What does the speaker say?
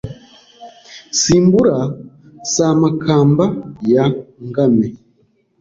Simbura Samakamba ya Ngame